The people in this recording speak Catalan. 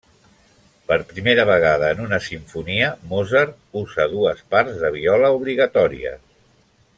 Per primera vegada en una simfonia, Mozart usa dues parts de viola obligatòries.